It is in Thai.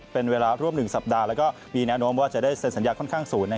เป็นเวลาร่วม๑สัปดาห์แล้วก็มีแนวโน้มว่าจะได้เซ็นสัญญาค่อนข้างสูง